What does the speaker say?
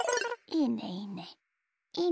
いいねいいね。